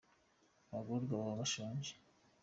abagororwa baba bashonje